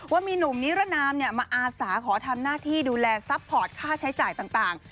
ว่ามีหนุ่มนิรนามมาอาสาขอทำหน้าที่ดูแลซัพพอร์ตค่าใช้จ่ายต่าง